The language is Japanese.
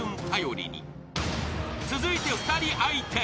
［続いて２人相手。